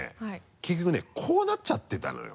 結局ねこうなっちゃってたのよ。